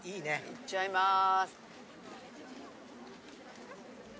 いっちゃいます！